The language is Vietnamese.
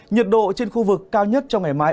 nhiệt độ trên khu vực cao nhất trong ngày mai